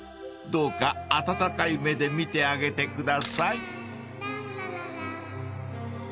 ［どうか温かい目で見てあげてください］